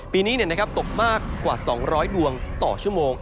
ปีนี้ตกมากกว่า๒๐๐ดวงต่อชั่วโมง